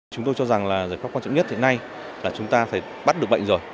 chúng tôi cho rằng là giải pháp quan trọng nhất hiện nay là chúng ta phải bắt được bệnh rồi